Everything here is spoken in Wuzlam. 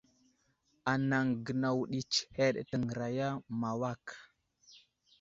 Anaŋ gənaw ɗi tsəhed təŋgəraya ma awak.